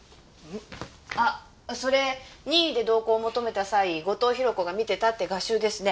あっそれ任意で同行を求めた際後藤宏子が見てたって画集ですね。